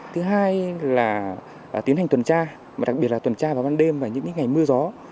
thứ hai là tiến hành tuần tra đặc biệt là tuần tra vào ban đêm và những ngày mưa gió